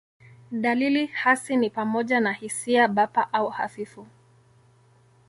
Dalili hasi ni pamoja na hisia bapa au hafifu.